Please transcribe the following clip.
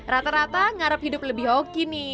rata rata ngarep hidup lebih hoki nih